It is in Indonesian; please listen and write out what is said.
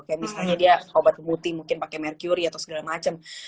kayak misalnya dia obat putih mungkin pake merkuri atau segala macem